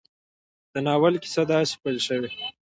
د ناول کيسه داسې پيل شوې